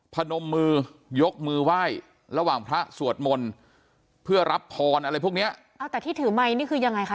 พนมมือยกมือไหว้ระหว่างพระสวดมนต์เพื่อรับพรอะไรพวกเนี้ยเอาแต่ที่ถือไมค์นี่คือยังไงคะ